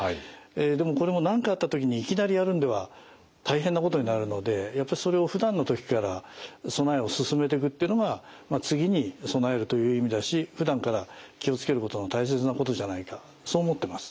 でもこれも何かあった時にいきなりやるんでは大変なことになるのでやっぱりそれをふだんの時から備えを進めていくっていうのが次に備えるという意味だしふだんから気を付けることの大切なことじゃないかそう思ってます。